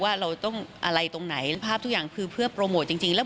ว่าเราต้องอะไรตรงไหนภาพทุกอย่างคือเพื่อโปรโมทจริงแล้ว